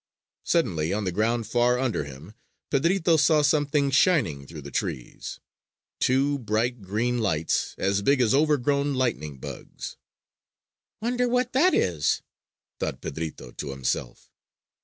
Suddenly, on the ground far under him, Pedrito saw something shining through the trees, two bright green lights, as big as overgrown lightning bugs. "Wonder what that is?" thought Pedrito to himself.